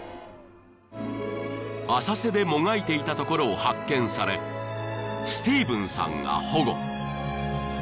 ［浅瀬でもがいていたところを発見されスティーブンさんが保護］